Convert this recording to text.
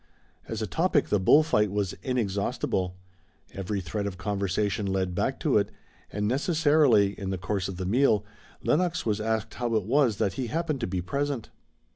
As a topic, the bull fight was inexhaustible. Every thread of conversation led back to it, and necessarily, in the course of the meal, Lenox was asked how it was that he happened to be present.